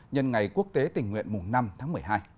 nhân ngày quốc tế tình nguyện mùng năm tháng một mươi hai